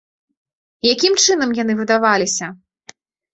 Якім чынам яны выдаваліся?